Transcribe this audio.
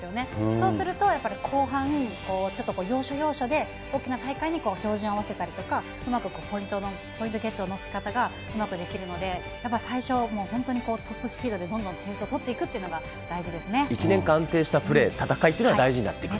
そうするとやっぱり後半、ちょっと要所要所で大きな大会に照準を合わせたりとか、このあとポイントゲットのしかたがうまくできるので、やっぱり最初、もう本当にトップスピードでどんどん点数を取っていくのが、１年間安定したプレー、戦いっていうのは大事になってくると。